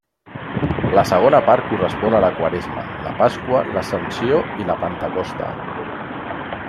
La segona part correspon a la Quaresma, la Pasqua, l'Ascensió i la Pentecosta.